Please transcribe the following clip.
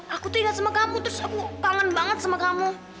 aku tuh liat sama kamu terus aku pangan banget sama kamu